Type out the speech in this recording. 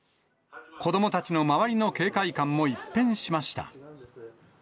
子どもたちの周りの警戒感も一変しました。